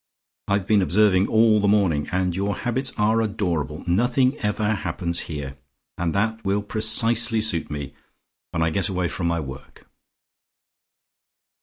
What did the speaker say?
I've been observing all the morning, and your habits are adorable. Nothing ever happens here, and that will precisely suit me, when I get away from my work."